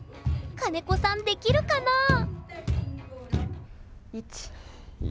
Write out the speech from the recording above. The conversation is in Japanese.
金子さんできるかなあ？